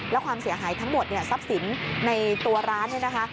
แล้วความเสียหายทั้งหมดเนี่ยทรัพย์สินในตัวร้านเนี่ยนะคะ